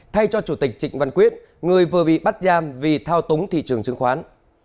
thay cho chủ tịch trịnh văn quyết người vừa bị bắt giam vì thao túng thị trường chứng khoán